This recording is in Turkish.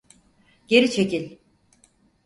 Geri çekil!